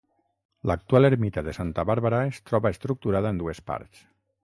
L'actual ermita de Santa Bàrbara es troba estructurada en dues parts.